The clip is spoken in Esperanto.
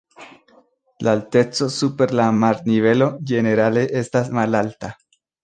La alteco super la marnivelo ĝenerale estas malalta.